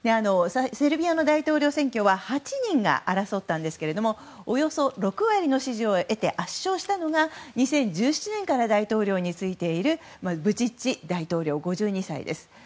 セルビアの大統領選挙は８人が争ったんですがおよそ６割の支持を得て圧勝したのが２０１７年から大統領に就いているブチッチ大統領、５２歳です。